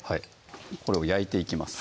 これを焼いていきます